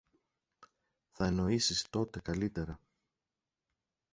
θα εννοήσεις τότε καλύτερα.